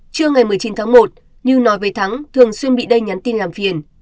trưa ngày một mươi chín tháng một như nói về thắng thường xuyên bị đây nhắn tin làm phiền